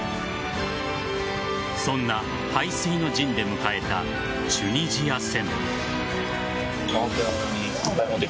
そんな背水の陣で迎えたチュニジア戦。